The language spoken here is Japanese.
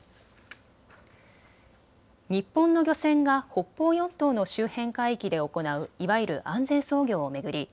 日本の漁船が北方四島の周辺海域で行ういわゆる安全操業を巡り